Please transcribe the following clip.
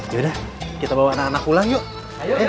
yaudah kita bawa anak anak pulang yuk ayo